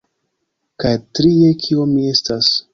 Kaj trie kio mi estas